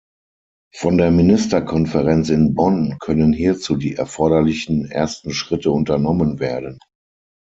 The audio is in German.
Von der Ministerkonferenz in Bonn können hierzu die erforderlichen ersten Schritte unternommen werden.